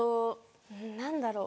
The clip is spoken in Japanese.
何だろう。